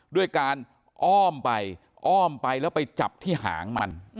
ด้วยการอ้อมไปอ้อมไปแล้วไปจับที่หางมัน